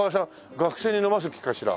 学生に飲ます気かしら？